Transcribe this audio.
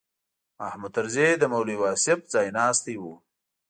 محمود طرزي د مولوي واصف ځایناستی و.